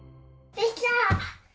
できた！